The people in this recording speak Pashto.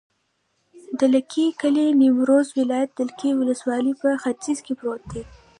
د دلکي کلی د نیمروز ولایت، دلکي ولسوالي په ختیځ کې پروت دی.